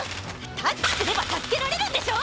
タッチすれば助けられるんでしょ！